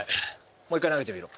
もう一回投げてみろ。